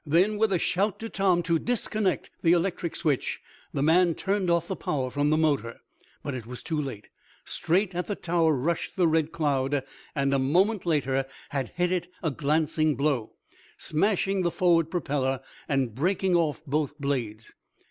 Then, with a shout to Tom to disconnect the electric switch, the man turned off the power from the motor. But it was too late. Straight at the tower rushed the Red Cloud, and, a moment later had hit it a glancing blow, smashing the forward propeller, and breaking off both blades.